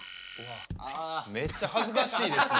めっちゃ恥ずかしいですね。